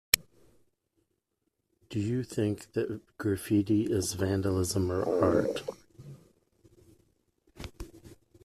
Do you think that graffiti is vandalism or art?